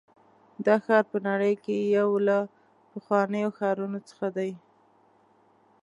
دا ښار په نړۍ کې یو له پخوانیو ښارونو څخه دی.